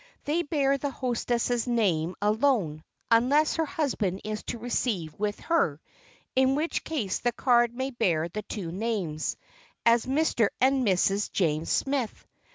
They bear the hostess' name alone, unless her husband is to receive with her, in which case the card may bear the two names, as "Mr. and Mrs. James Smith."